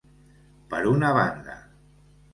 Per una banda.